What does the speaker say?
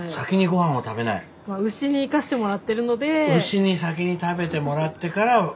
牛に先に食べてもらってから人間が頂く。